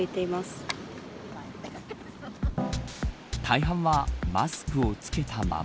大半はマスクを着けたま